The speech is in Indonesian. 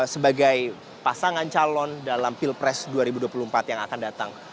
sebagai pasangan calon dalam pilpres dua ribu dua puluh empat yang akan datang